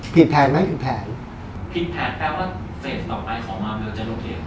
ผิดแผนไหมผิดแผนผิดแผนแปลว่าเฟสต่อกลางไปของมากเวลาจะลดเร็ว